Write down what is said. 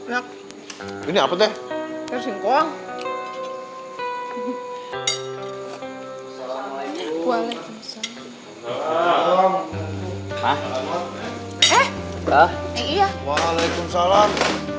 hai persingkong walaikum salam